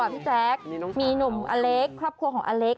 พี่แจ๊คมีหนุ่มอเล็กครอบครัวของอเล็ก